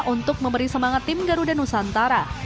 untuk memberi semangat tim garuda nusantara